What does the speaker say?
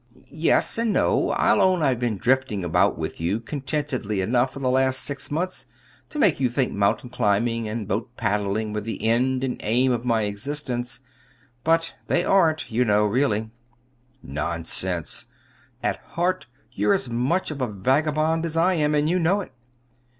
"Yes, and no. I'll own I've been drifting about with you contentedly enough for the last six months to make you think mountain climbing and boat paddling were the end and aim of my existence. But they aren't, you know, really." "Nonsense! At heart you're as much of a vagabond as I am; and you know it."